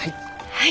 はい。